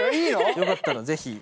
よかったらぜひ。